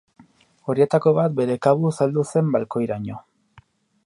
Horietako bat bere kabuz heldu zen balkoiraino.